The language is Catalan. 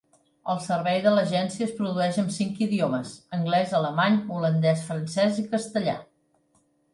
El servei de l'agència es produeix en cinc idiomes: anglès, alemany, holandès, francès i castellà.